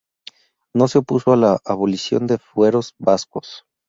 No se opuso a la abolición de los fueros vascos.